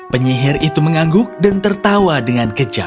penyihir itu mengangguk dan tertawa dengan kejam